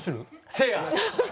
せいや。